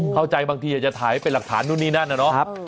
เข้าใจบางทีจะถ่ายไปหลักฐานนู่นนี่นั่นน่ะเนอะ